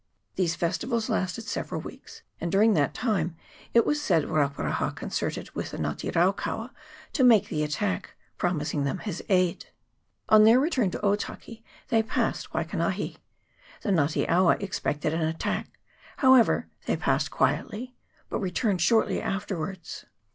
These festivals lasted several weeks, and during that time it was said Rauparaha con CHAP. III.] FUNERAL CEREMONIES. 105 certed with the Nga te raukaua to make the attack, promising them his aid. On their return to Otaki they passed Waikanahi : the Nga te awa expected an attack ; however, they passed quietly, but re turned shortly afterwards.